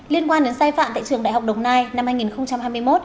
liên quan đến sai phạm tại trường đại học đồng nai năm hai nghìn hai mươi một